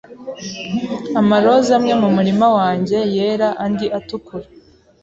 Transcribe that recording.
Amaroza amwe mumurima wanjye yera, andi atukura.